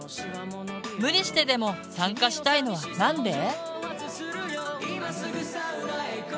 無理してでも参加したいのはなんで？